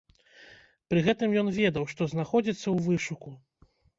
Пры гэтым ён ведаў, што знаходзіцца ў вышуку.